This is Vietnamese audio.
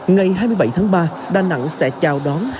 ngày hai mươi bảy tháng ba đà nẵng sẽ chào đón